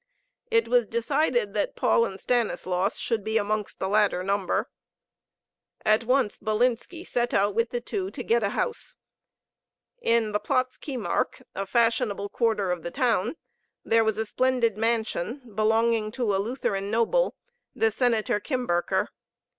It was decided that Paul and Stanislaus should be amongst the latter number. At once Bilinski set out with the two to get a house. In the Platz Kiemark, a fashionable quarter of the town, there was a splendid mansion, belonging to a Lutheran noble, the Senator Kimberker.